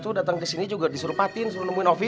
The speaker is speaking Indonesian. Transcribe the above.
tunggu datang ke sini juga disuruh patin suruh nemuin ovi